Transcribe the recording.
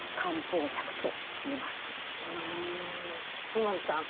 今津さん